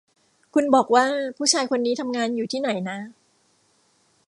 คุณบอกว่า ผู้ชายคนนี้ทำงานอยู่ที่ไหนนะ